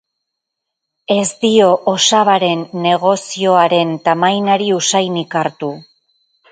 Ez dio osabaren negozioaren tamainari usainik hartu.